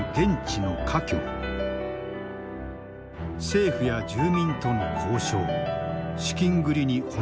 政府や住民との交渉資金繰りに奔走している。